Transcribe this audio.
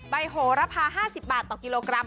โหระพา๕๐บาทต่อกิโลกรัม